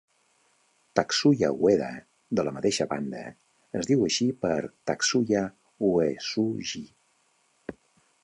Tatsuya Ueda, de la mateixa banda, es diu així per Tatsuya Uesugi.